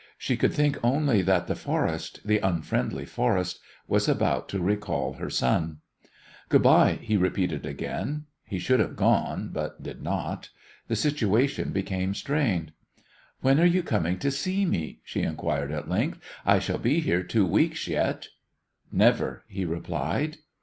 She could think only that the forest, the unfriendly forest, was about to recall her son. "Good by," he repeated again. He should have gone, but did not. The situation became strained. "When are you coming to see me?" she inquired at length. "I shall be here two weeks yet." "Never," he replied.